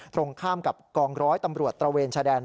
ตรงข้ามกับกองร้อยตำรวจตระเวนชายแดน